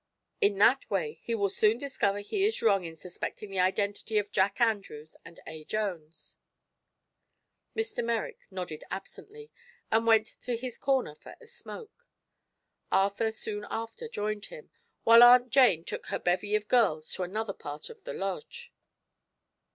In that way he will soon discover he is wrong in suspecting the identity of Jack Andrews and A. Jones." Mr. Merrick nodded absently and went to his corner for a smoke. Arthur soon after joined him, while Aunt Jane took her bevy of girls to another part of the loge.